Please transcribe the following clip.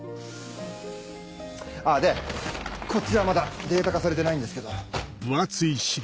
でこっちはまだデータ化されてないんですけど。